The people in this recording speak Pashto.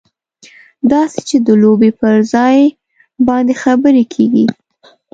داسې چې د لوبې پر ځای باندې خبرې کېږي.